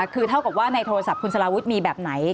คือเท่ากับว่าในโทรศัพท์คุณสลาวุฒิมีแบบไหน